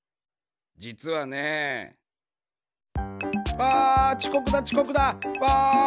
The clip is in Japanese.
じつはね。わちこくだちこくだ！わ！